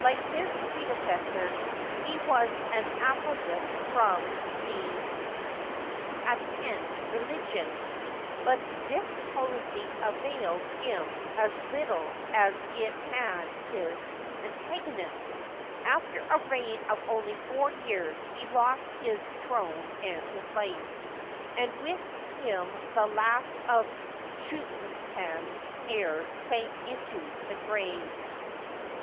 Like his predecessor, he was an apostate from the Aten religion, but this policy availed him as little as it had his Digitized byCjOOQlt 82 HISTOR Y OF EG YP T, antagonist. After a reign of only four years he lost his throne and his life, and with him the last of Chuenaten's heirs sank into the grave.